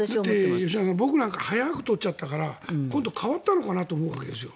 だって吉永さん、僕なんか早く取っちゃったから今度、変わったのかなと思うわけですよ。